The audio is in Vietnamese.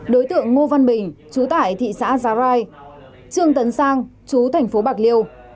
đối tượng ngô văn bình chú tải thị xã già rai trường tấn sang chú thành phố bạc liêu